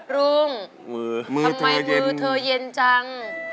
รุ่งทำไมมือเย็นจัง